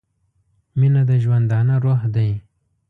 • مینه د ژوندانه روح دی.